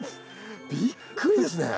びっくりですね。